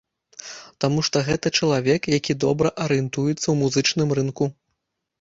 Таму што гэта чалавек, які добра арыентуецца ў музычным рынку.